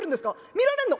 見られるの？